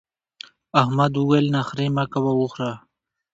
احمد وويل: نخرې مه کوه وخوره.